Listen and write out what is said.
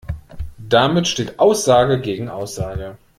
Damit steht Aussage gegen Aussage.